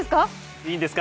いいんですか？